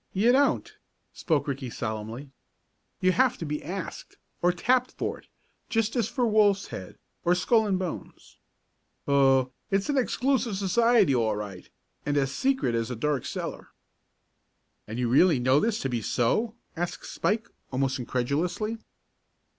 "You don't," spoke Ricky solemnly. "You have to be asked, or tapped for it, just as for Wolf's Head, or Skull and Bones. Oh, it's an exclusive society all right, and as secret as a dark cellar." "And you really know this to be so?" asked Spike, almost incredulously.